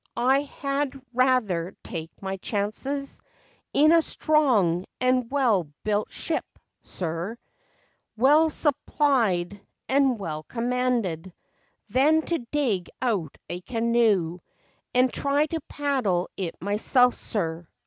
I had rather take my chances In a strong and well built ship, sir; Well supplied and well commanded, Than to dig out a canoe, and Try to paddle it myself, sir.